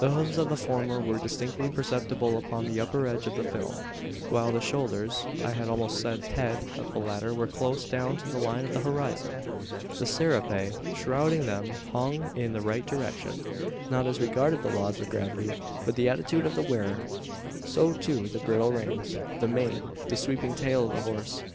The hoofs of the former were distinctly perceptible upon the upper edge of the film; while the shoulders I had almost said head of the latter were close down to the line of the horizon! The serape shrouding them hung in the right direction not as regarded the laws of gravity, but the attitude of the wearer. So, too, the bridle reins, the mane, and sweeping tail of the horse.